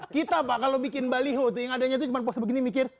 kita pak kalau bikin baliho itu yang adanya itu cuma poks begini mikir